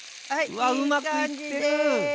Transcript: うわっうまくいってる！